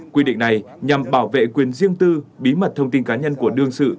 quy định này nhằm bảo vệ quyền riêng tư bí mật thông tin cá nhân của đương sự